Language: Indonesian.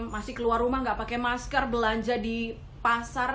masih keluar rumah nggak pakai masker belanja di pasar